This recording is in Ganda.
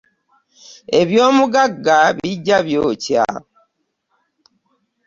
Eby'omugagga bijja byoka ,